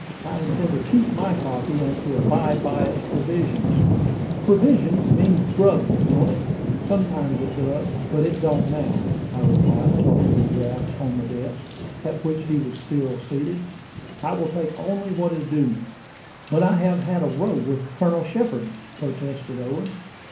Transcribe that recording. "I intend to keep my copy, and to abide by its provisions." "Provisions means grub, don't it?" "Sometimes it does; but it don't now," I replied, tossing the draft on the desk, at which he was still seated. "I will take only what is due me." "But I have had a row with Colonel Shepard," protested Owen.